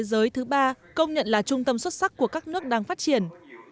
thế giới thứ ba công nhận là trung tâm xuất sắc của các nước đang phát triển